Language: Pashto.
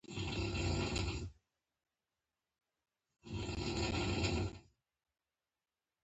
انګلیسي د زده کړې ډېر کتابونه لري